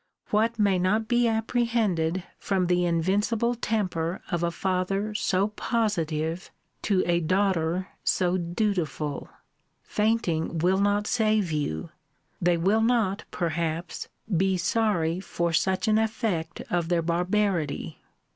What may not be apprehended from the invincible temper of a father so positive, to a daughter so dutiful? Fainting will not save you: they will not, perhaps, be sorry for such an effect of their barbarity.